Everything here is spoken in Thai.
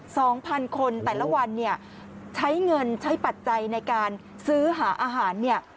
สองพันคนแต่ละวันเนี่ยใช้เงินใช้ปัจจัยในการซื้อหาอาหารเนี่ย